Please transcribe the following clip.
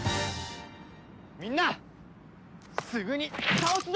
みんなすぐに倒すぞ！